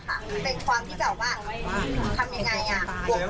ในคลิปนี้ถือว่าเบามากเหรอ